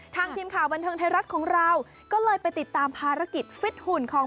ทีมข่าวบันเทิงไทยรัฐของเราก็เลยไปติดตามภารกิจฟิตหุ่นของ